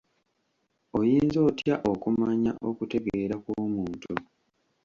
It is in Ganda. Oyinza otya okumanya okutegeera kw'omuntu?